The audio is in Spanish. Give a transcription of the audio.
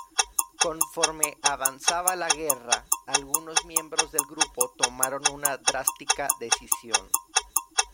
Conforme avanzaba la guerra algunos miembros del grupo tomaron una drástica decisión.